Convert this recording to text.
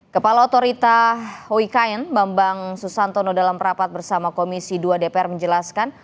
kepala otorita hoi kain bambang susantono dalam rapat bersama komisi dua dpr menjelaskan